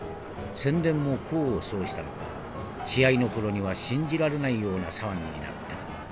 宣伝も功を奏したのか試合の頃には信じられないような騒ぎになった。